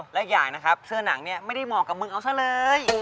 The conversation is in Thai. และอย่างนะครับเสื้อนางไม่ได้เหมาะกับมึงเอาซะเลย